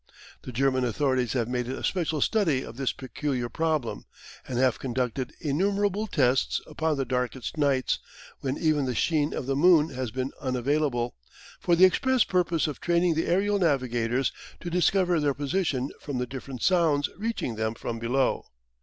The German authorities have made a special study of this peculiar problem, and have conducted innumerable tests upon the darkest nights, when even the sheen of the moon has been unavailable, for the express purpose of training the aerial navigators to discover their position from the different sounds reaching them from below.